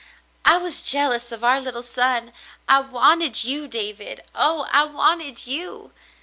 "I was jealous of our little son. I wanted you, David — Oh ! I wanted you."